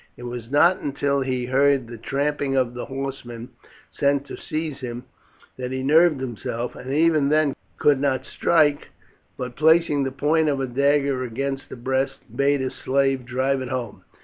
It was not until he heard the trampling of the horsemen sent to seize him that he nerved himself, and even then could not strike, but placing the point of a dagger against his breast, bade a slave drive it home.